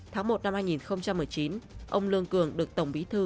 tháng một năm hai nghìn một mươi chín ông lương cường được tổng bí thư